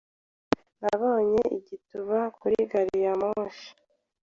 Nabonye igituba kuri gariyamoshi.